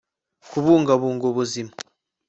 kubungabunga ubuzima